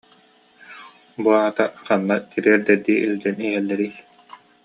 Бу аата ханна тириэрдэрдии илдьэн иһэллэрий